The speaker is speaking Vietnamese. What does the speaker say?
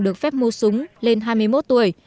được phép mua súng lên hai mươi một tuổi